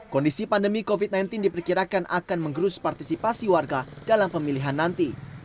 kondisi pandemi covid sembilan belas diperkirakan akan menggerus partisipasi warga dalam pemilihan nanti